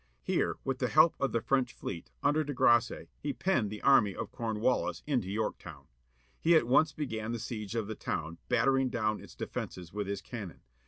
Here, with the help of the French fleet, under De Grasse, he penned the army of Comwallis into Yorktown. He at once began the siege of the town, battering down its defences with his cannon.